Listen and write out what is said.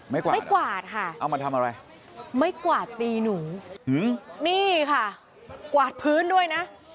ไม่กวาดเอามาทำอะไรไม่กวาดค่ะไม่กวาดตีหนูนี่ค่ะกวาดพื้นด้วยนะ